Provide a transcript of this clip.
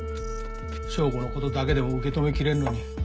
省吾の事だけでも受け止めきれんのに。